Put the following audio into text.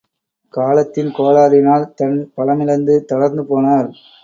காலத்தின் கோளாறினால் தன் பலமிழந்து, தளர்ந்து போனார்.